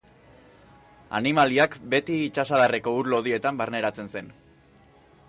Animaliak beti itsasadarreko ur lodietan barneratzen zen.